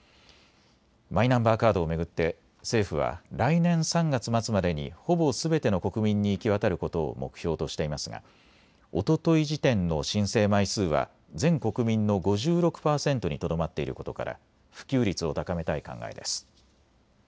マイナンバーカードを巡って政府は来年３月末までにほぼすべての国民に行き渡ることを目標としていますがおととい時点の申請枚数は全国民の５６％にとどまっていることから普及率を高めたい考えです。